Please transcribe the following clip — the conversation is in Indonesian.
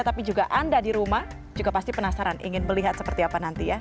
tapi juga anda di rumah juga pasti penasaran ingin melihat seperti apa nanti ya